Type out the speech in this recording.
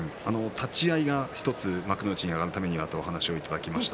立ち合いが１つ幕内に上がるためにはという話を伺いました。